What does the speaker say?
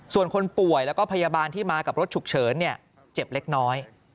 ส่วนคนป่วยแล้วก็พยาบาลที่มากับรถฉุกเฉินเจ็บเล็กน้อย